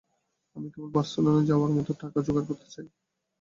আমি কেবল বার্সেলোনায় যাওয়ার মতো টাকা জোগাড় করতে চাই।